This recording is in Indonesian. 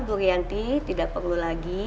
burianti tidak perlu lagi